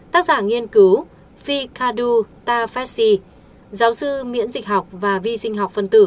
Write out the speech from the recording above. tác giả nghiên cứu fikadu tafesi giáo sư miễn dịch học và vi sinh học phân tử